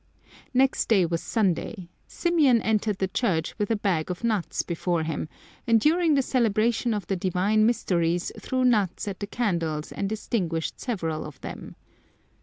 Next day was Sunday. Symeon entered the church with a bag of nuts before him, and during the celebration of the divine mysteries threw nuts at the candles and extinguished several of them.